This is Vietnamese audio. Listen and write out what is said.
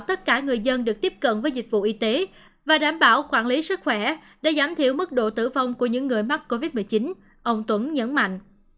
tất cả người dân được tiếp cận với dịch vụ y tế và đảm bảo quản lý sức khỏe để giảm thiểu mức độ tử vong của những người mắc covid một mươi chín ông tuấn nhấn mạnh